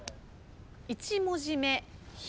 １文字目。